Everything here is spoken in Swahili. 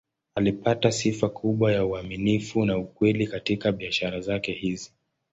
Alipata sifa kubwa ya uaminifu na ukweli katika biashara zake hizi.